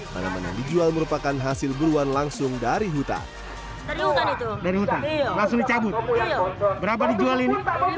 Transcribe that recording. tanaman yang dijual merupakan hasil buruan langsung dari hutan